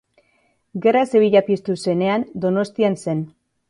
Gerra Zibila piztu zenean Donostian zen.